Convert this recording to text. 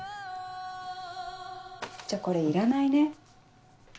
じゃあこれいらないね。